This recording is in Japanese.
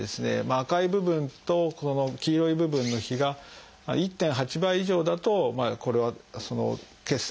赤い部分とこの黄色い部分の比が１．８倍以上だとこれは血栓回収